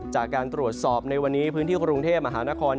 จากการตรวจสอบในวันนี้พื้นที่กรุงเทพมหานคร